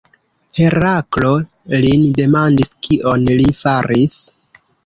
Heraklo lin demandis kion li faris.